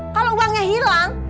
kalau uangnya hilang